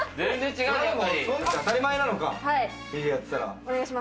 当たり前なのか、フィギュアやってたら。